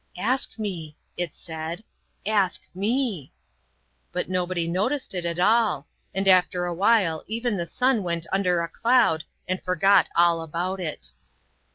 "Ask me," it said, " ask me." But nobody noticed it at all, and after a while even the sun went under a cloud and forgot all about it.